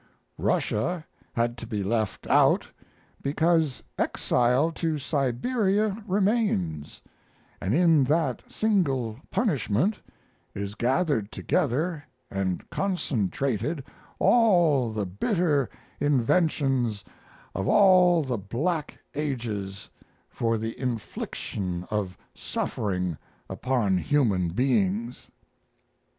Russia had to be left out because exile to Siberia remains, and in that single punishment is gathered together and concentrated all the bitter inventions of all the black ages for the infliction of suffering upon human beings.